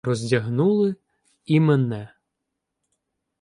Роздягнули і мене.